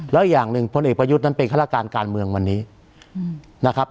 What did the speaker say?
แล้วอย่างหนึ่งพลเอกประยุทธ์นั้นเป็นฆาตการการเมืองวันนี้นะครับ